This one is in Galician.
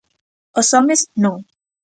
Os homes, non.